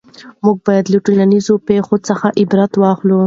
موږ باید له ټولنیزو پېښو څخه عبرت واخلو.